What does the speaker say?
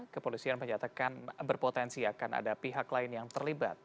kepolisian menyatakan berpotensi akan ada pihak lain yang terlibat